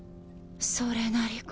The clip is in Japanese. それなりかな。